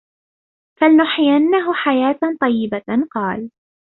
فَلَنُحْيِيَنَّهُ حَيَاةً طَيِّبَةً قَالَ